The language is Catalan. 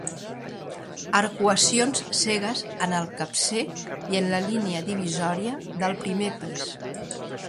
Arcuacions cegues en el capcer i en la línia divisòria del primer pis.